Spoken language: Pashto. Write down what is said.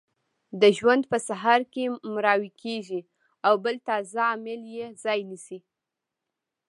د ژوند په سهار کې مړاوې کیږي او بل تازه عامل یې ځای نیسي.